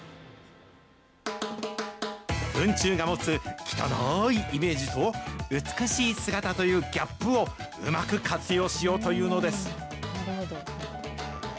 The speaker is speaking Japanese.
フン虫が持つ汚いイメージと、美しい姿というギャップを、うまく活用しようというのです。